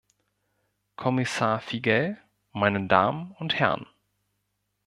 Kommissar Figel’, meine Damen und Herren!